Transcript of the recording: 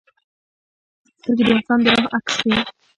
سترګې د انسان د روح عکس وي